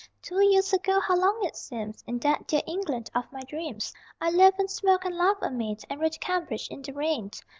Two years ago (how long it seems) In that dear England of my dreams I loved and smoked and laughed amain And rode to Cambridge in the rain.